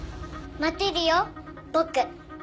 待てるよ僕